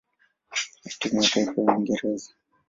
na timu ya taifa ya Uingereza.